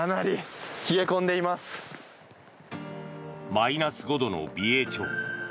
マイナス５度の美瑛町。